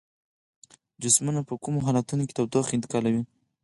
جسمونه په کومو حالتونو کې تودوخه انتقالوي؟